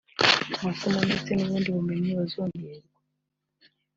amasomo ndetse n’ubundi bumenyi bazongererwa